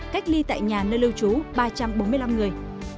cách ly tại nhà nơi lưu trú ba trăm bốn mươi năm người